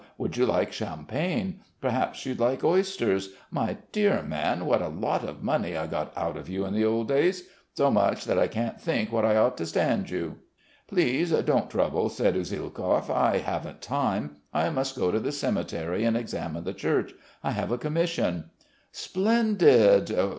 Would you like champagne? Perhaps you'd like oysters. My dear man, what a lot of money I got out of you in the old days so much that I can't think what I ought to stand you." "Please don't trouble," said Usielkov. "I haven't time. I must go to the cemetery and examine the church. I have a commission." "Splendid.